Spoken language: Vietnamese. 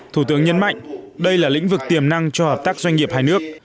thủ tướng nhấn mạnh đây là lĩnh vực tiềm năng cho hợp tác doanh nghiệp hai nước